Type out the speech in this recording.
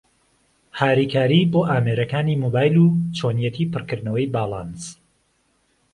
هاریکارى بۆ ئامێرەکانى مۆبایل و چۆنیەتى پڕکردنەوەى باڵانس